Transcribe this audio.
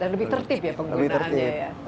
dan lebih tertib ya penggunaannya